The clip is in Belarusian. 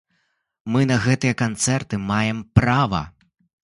Мы на гэтыя канцэрты маем права!